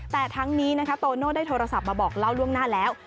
แต่ทั้งนี้นะคะโตโน่ได้โทรศัพท์มาบอกเล่าล่วงหน้าแล้ว